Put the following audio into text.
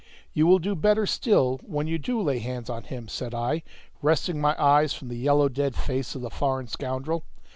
"You will do better still when you do lay hands on him," said I, wresting my eyes from the yellow dead face of the foreign scoundrel.